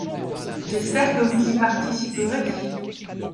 J’espère que vous y participerez.